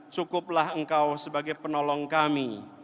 cukuplah engkau sebagai penolong kami